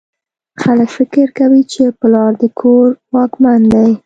خلک فکر کوي چې پلار د کور واکمن دی